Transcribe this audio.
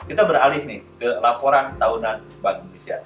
kita beralih nih ke laporan tahunan bank indonesia